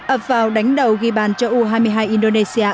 ập vào đánh đầu ghi bàn cho u hai mươi hai indonesia